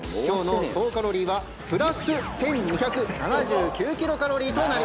今日の総カロリーはプラス１，２７９キロカロリーと。